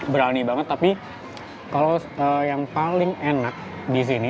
berani banget tapi kalau yang paling enak di sini